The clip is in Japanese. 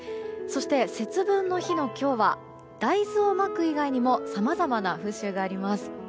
そして、節分の日の今日は大豆をまく以外にもさまざまな風習がありいます。